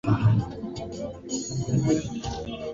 muungano huo utatetea kila eneo la nchi yake